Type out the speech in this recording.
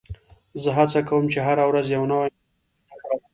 زه هڅه کوم، چي هره ورځ یو نوی مهارت زده کړم.